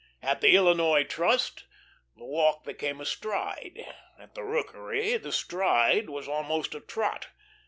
At the Illinois Trust the walk became a stride, at the Rookery the stride was almost a trot.